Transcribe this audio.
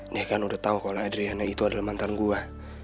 dia kan udah tau kalau adriana itu adalah mantan gue